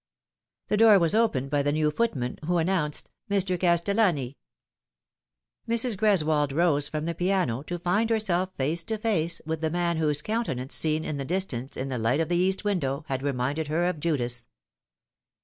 The door was opened by the new footman, who announced "Mr. Castellani." Mrs. Greswold rose from the piano to find herself face to face with the man whose countenance, seen in the distance, in the light of the east window, had reminded her of Judas.